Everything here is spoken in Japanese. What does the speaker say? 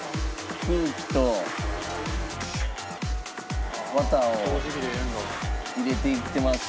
空気と綿を入れていってます。